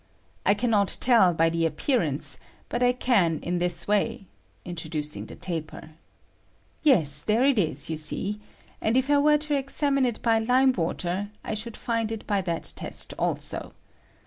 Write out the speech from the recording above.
I can not tell by the ap pearance, but I can iu this way [introducing the taper]. Yes, there it is, you see ; and if I were to examine it by lime water, I should find it by that test also.